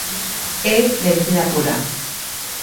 É medicina pura.